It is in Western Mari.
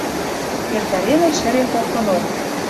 Эртӓренӹт шӹрен коктынок.